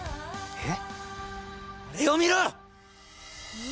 えっ！？